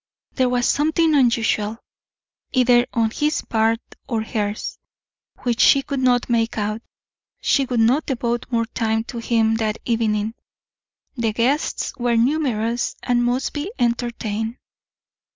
There was something unusual either on his part or hers which she could not make out. She would not devote more time to him that evening; the guests were numerous, and must be entertained.